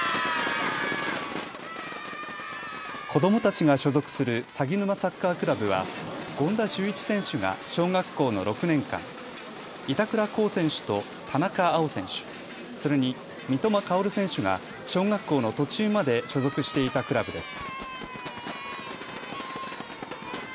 子どもたちが所属するさぎぬまサッカークラブは権田修一選手が小学校の６年間、板倉滉選手と田中碧選手、それに三笘薫選手が小学校の途中まで所属していたクラブです。